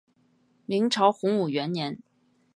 明朝洪武元年。